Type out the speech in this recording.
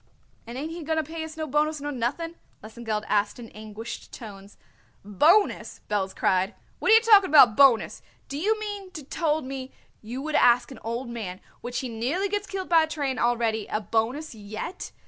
"And ain't he going to pay us no bonus nor nothing?" Lesengeld asked in anguished tones. "Bonus!" Belz cried; "what are you talking about, bonus? Do you mean to told me you would ask an old man which he nearly gets killed by a train already a bonus yet?